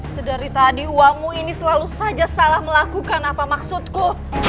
sedari tadi uangmu ini selalu saja salah melakukan apa maksudku